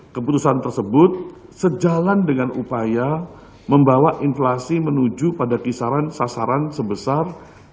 keputusan tersebut sejalan dengan upaya membawa inflasi menuju pada kisaran sasaran sebesar